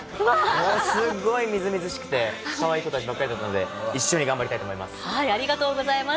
もうすごいみずみずしくて、かわいい子たちばっかりだったのありがとうございます。